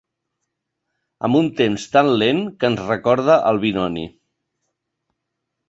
Amb un temps tan lent que ens recorda Albinoni.